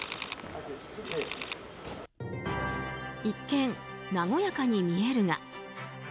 一見、和やかに見えるが。